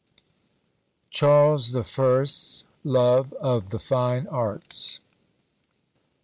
CHARLES THE FIRST'S LOVE OF THE FINE ARTS.